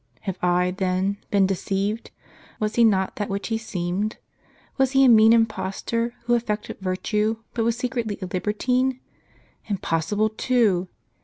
Have I, then, been deceived? Was he not that which he seemed ? Was he a mean impos tor, who affected virtue, but was secretly a liber tine? Impossible, too!